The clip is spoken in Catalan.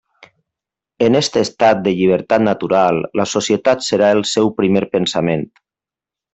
En aquest estat de llibertat natural, la societat serà el seu primer pensament.